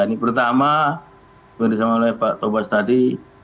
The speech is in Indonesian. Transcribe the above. ini pertama yang disampaikan oleh pak tobas tadi